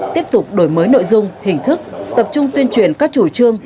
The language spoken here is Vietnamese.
tiếp tục đổi mới nội dung hình thức tập trung tuyên truyền các chủ trương